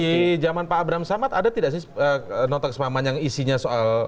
di zaman pak abraham samad ada tidak sih nota kesepahaman yang isinya soal